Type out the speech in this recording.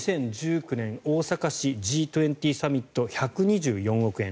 ２０１９年大阪市Ｇ２０サミット１２４億円。